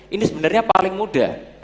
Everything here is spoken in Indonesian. ini sebenernya paling muda